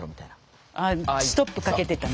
あストップかけてたの？